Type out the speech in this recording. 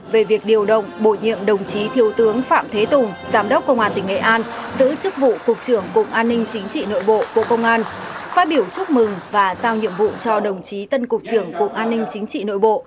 về việc điều động bổ nhiệm đồng chí thiếu tướng phạm thế tùng giám đốc công an tỉnh nghệ an giữ chức vụ cục trưởng cục an ninh chính trị nội bộ bộ công an phát biểu chúc mừng và sao nhiệm vụ cho đồng chí tân cục trưởng cục an ninh chính trị nội bộ